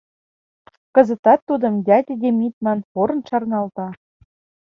кызытат тудым «дядя Демид» ман, порын шарналта